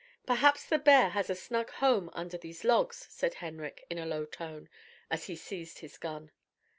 "Perhaps the bear has a snug home under those logs," said Henrik, in a low tone, as he seized his gun.